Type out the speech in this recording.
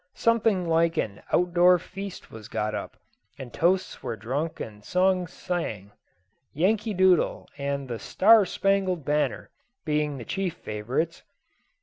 Something like an out door feast was got up, and toasts were drunk and songs sang; "Yankee Doodle," and the "Star spangled Banner," being the chief favourites.